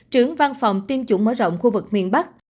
trưởng văn phòng tiêm chủng mở rộng khu vực miền bắc